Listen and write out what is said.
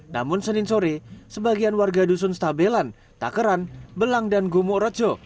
namun senin sore sebagian warga dusun stabelan takeran belang dan gomorojo